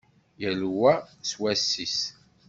Yal wa s wass-is.